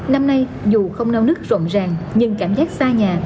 năm nay dù không nào nước rộng ràng nhưng cảm giác xa nhà